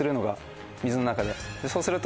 そうすると。